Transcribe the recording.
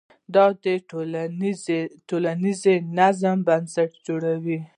دا د ټولنیز نظم بنسټ جوړوي.